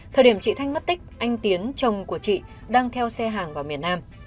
thời điểm chị thanh mất tích anh tiến chồng của chị đang theo xe hàng vào miền nam